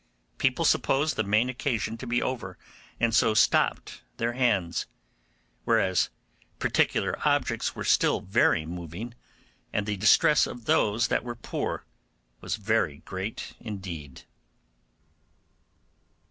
People supposed the main occasion to be over, and so stopped their hands; whereas particular objects were still very moving, and the distress of those that were poor was very great indeed.